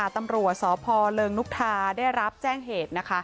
ตำรวจสพเริงนุกทาได้รับแจ้งเหตุ